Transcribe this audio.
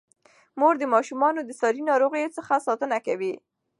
مور د ماشومانو د ساري ناروغیو څخه ساتنه کوي.